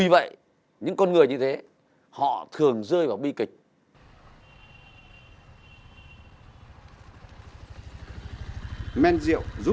mày không để cho bố em ngủ chưa